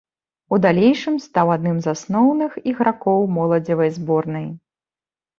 У далейшым стаў адным з асноўных ігракоў моладзевай зборнай.